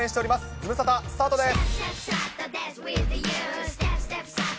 ズムサタスタートです。